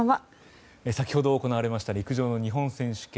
先ほど行われました陸上の日本選手権。